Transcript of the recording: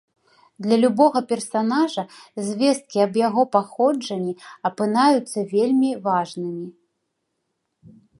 Для любога персанажа звесткі аб яго паходжанні апынаюцца вельмі важнымі.